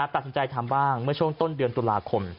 ตัดสินใจทำบ้างช่วงต้นเดือนตลาคน